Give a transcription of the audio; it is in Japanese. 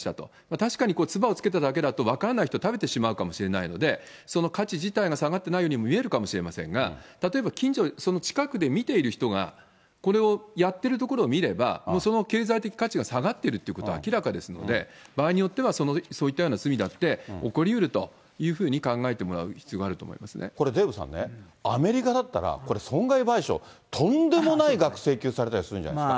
確かに、唾をつけただけだと分からない人は食べてしまうかもしれないので、その価値自体が下がってないように見えるかもしれませんが、例えば近所、その近くで見ている人が、これをやってるところを見れば、その経済的価値が下がってるということは明らかですので、場合によっては、そういったような罪だって起こりうるというふうに考えてもらう必これ、デーブさんね、アメリカだったらこれ、損害賠償、とんでもない額、請求されたりするんじゃないですか。